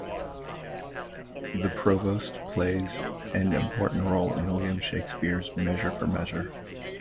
The Provost plays an important role in William Shakespeare's "Measure for Measure".